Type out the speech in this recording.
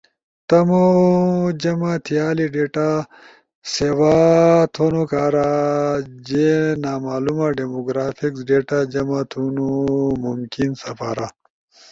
تمو جمع تھیالی ڈیٹا سیوا تھونو کارا جے نامولوما ڈیموگرافکس ڈیٹا جمع تھونو ممکن سپارا۔